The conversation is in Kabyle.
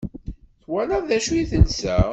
Twalaḍ d acu i telsa?